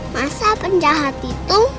masa penjahat itu